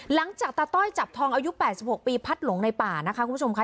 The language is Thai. ตาต้อยจับทองอายุ๘๖ปีพัดหลงในป่านะคะคุณผู้ชมค่ะ